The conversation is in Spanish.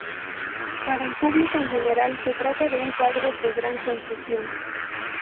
Para el público en general se trata de un cuadro de gran confusión.